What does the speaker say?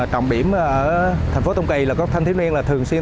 cảm biến ở thành phố tam kỳ là các thanh thiếu niên thường xuyên